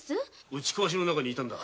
打ち壊しの中にいたんだ。